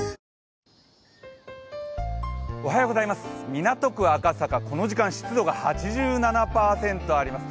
港区赤坂今時間湿度が８７％あります。